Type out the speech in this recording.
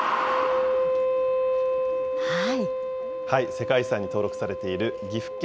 世界遺産に登録されている岐阜県